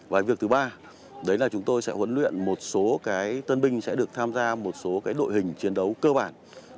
và việc thứ ba đấy là chúng tôi sẽ huấn luyện một số tân binh sẽ được tham gia một số cái đội hình chiến đấu cơ bản